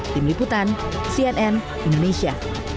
tim liputan cnn indonesia